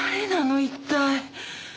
一体。